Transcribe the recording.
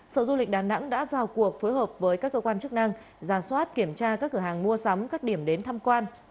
sở du lịch đà nẵng đã vào cuộc phối hợp với các cơ quan chức năng giả soát kiểm tra các cửa hàng mua sắm các điểm đến tham quan